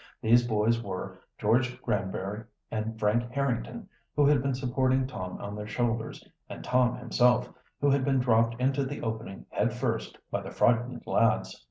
These boys were George Granbury and Frank Harrington, who had been supporting Tom on their shoulders, and Tom himself, who had been dropped into the opening head first by the frightened lads.